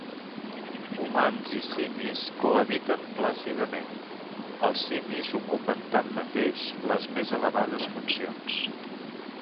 Humans i simis cohabiten plàcidament, els simis ocupen tanmateix les més elevades funcions.